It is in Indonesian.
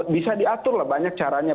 bisa diatur lah banyak caranya